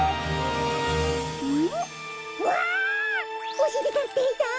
おしりたんていさん！